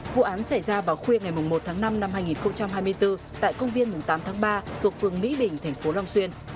vụ án xảy ra vào khuya ngày một tháng năm năm hai nghìn hai mươi bốn tại công viên tám tháng ba thuộc phường mỹ bình tp long xuyên